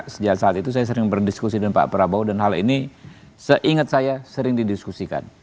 sejak saat itu saya sering berdiskusi dengan pak prabowo dan hal ini seingat saya sering didiskusikan